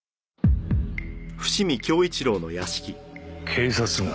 警察が。